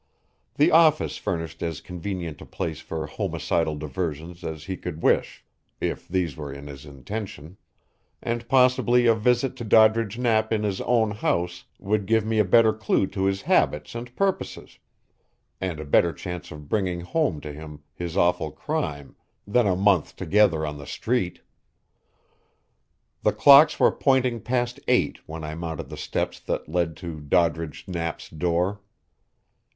The office furnished as convenient a place for homicidal diversions as he could wish, if these were in his intention, and possibly a visit to Doddridge Knapp in his own house would give me a better clue to his habits and purposes, and a better chance of bringing home to him his awful crime, than a month together on the Street. The clocks were pointing past eight when I mounted the steps that led to Doddridge Knapp's door.